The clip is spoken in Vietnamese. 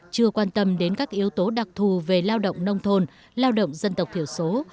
chưa quan tâm đến các yếu tố đặc thù về lao động nông thôn lao động dân tộc thiểu số